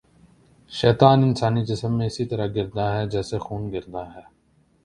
شیطان انسانی جسم میں اسی طرح گرداں ہے جیسے خون گرداں ہے